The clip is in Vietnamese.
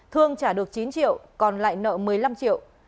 thương trả được chín triệu còn lại nợ một mươi năm triệu